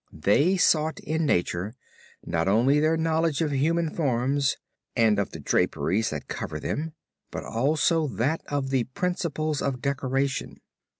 They sought in Nature not only their knowledge of human forms, and of the draperies that cover them, but also that of the principles of decoration.